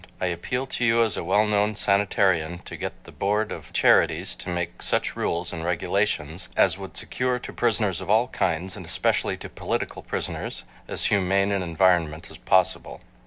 I appeal to you as a well known sanitarian to get the Board of Charities to make such rules and regulations as would secure to prisoners of all kinds, and especially to political prisoners, as humane an environment as possible.